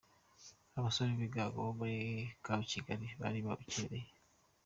Abasore b'ibigango bo muri Camp Kigali bari babukereye.